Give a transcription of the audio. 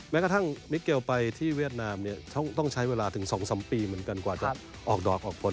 แม้กระทั่งมิเกลไปที่เวียดนามเนี่ยต้องใช้เวลาถึง๒๓ปีเหมือนกันกว่าจะออกดอกออกผล